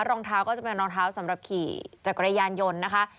รองเท้าก็จะเป็นรองเท้าสำหรับขี่จักรยานยนต์นะคะ